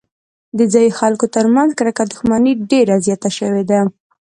د ځايي خلکو ترمنځ کرکه او دښمني ډېره زیاته شوې ده.